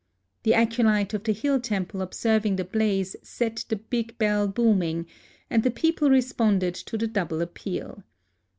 The acolyte of the hill temple, ob serving the blaze, set the big bell booming ; and the people responded to the double ap peal.